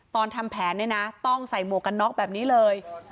ตอนทำแผนต้องใส่หมวกกันน๊อกแบบนี้เลย